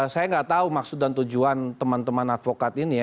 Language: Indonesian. saya nggak tahu maksud dan tujuan teman teman advokat ini ya